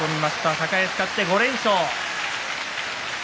高安、勝って５連勝。